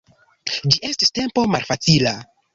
Ĝi estis tempo malfacila.